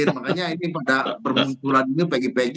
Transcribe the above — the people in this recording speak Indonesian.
makanya ini pada permimpinan ini peggy peggy